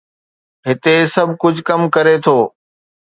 هتي سڀ ڪجهه ڪم ڪري ٿو.